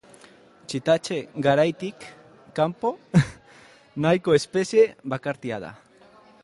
Txitatze-garaitik kanpo, nahiko espezie bakartia da.